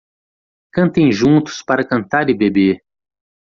Cantem juntos para cantar e beber